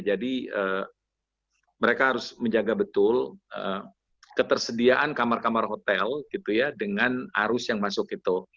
jadi mereka harus menjaga betul ketersediaan kamar kamar hotel gitu ya dengan arus yang masuk itu